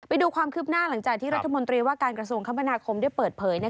ไปดูความคืบหน้าหลังจากที่รัฐมนตรีว่าการกระทรวงคมนาคมได้เปิดเผย